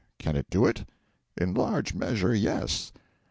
Can it do it? In large measure, yes.